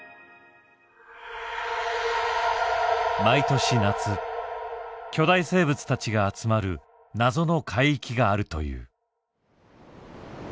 毎年夏巨大生物たちが集まる謎の海域があるという。